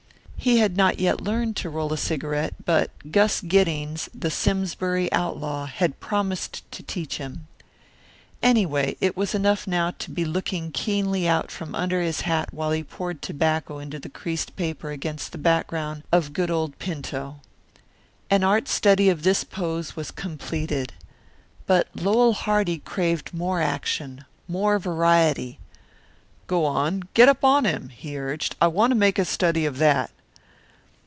He had not yet learned to roll a cigarette, but Gus Giddings, the Simsbury outlaw, had promised to teach him. Anyway, it was enough now to be looking keenly out from under his hat while he poured tobacco into the creased paper against the background of good old Pinto. An art study of this pose was completed. But Lowell Hardy craved more action, more variety. "Go on. Get up on him," he urged. "I want to make a study of that."